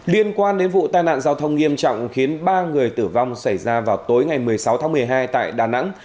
liên quan đến vụ tai nạn giao thông nghiêm trọng khiến ba người tử vong xảy ra vào tối ngày một mươi sáu tháng một mươi hai tại đà nẵng